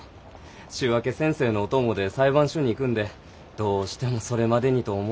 週明け先生のお供で裁判所に行くんでどうしてもそれまでにと思うて。